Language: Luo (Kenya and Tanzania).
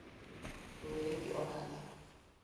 Owere gi ohala?